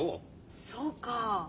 そうか。